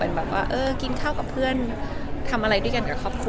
แบบว่าเออกินข้าวกับเพื่อนทำอะไรด้วยกันกับครอบครัว